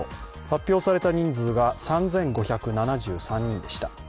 発表された人数が３５７３人でした。